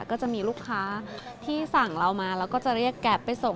ก็จะมีลูกค้าที่สั่งเรามาแล้วก็จะเรียกแก๊ปไปส่ง